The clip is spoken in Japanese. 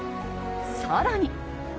更に。